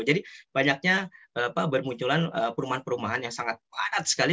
jadi banyaknya bermunculan perumahan perumahan yang sangat padat sekali